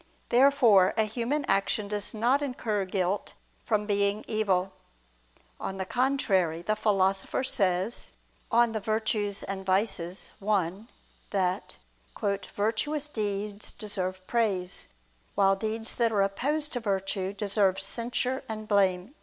Therefore a human action does not incur guilt from being evil. On the contrary, The Philosopher says (De Virt. et Vit. i) that "virtuous deeds deserve praise, while deeds that are opposed to virtue deserve censure and blame."